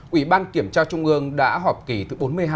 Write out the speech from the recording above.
ủy ban kiểm tra trung ương đã họp kỳ thứ bốn mươi hai